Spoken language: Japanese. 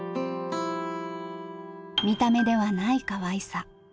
見た目ではないかわいさ。